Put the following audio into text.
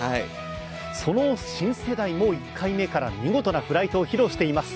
その新世代も１回目から見事なフライトを披露しています。